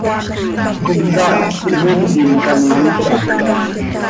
¿Comcaac quih miiqui icaanim itaaj?